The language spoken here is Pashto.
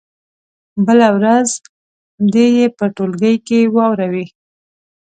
بله ورځ دې یې په ټولګي کې واوروي.